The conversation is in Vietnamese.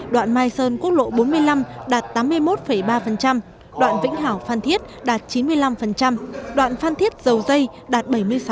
đoạn mai sơn quốc lộ bốn mươi năm đạt tám mươi một ba đoạn vĩnh hảo phan thiết đạt chín mươi năm đoạn phan thiết dầu dây đạt bảy mươi sáu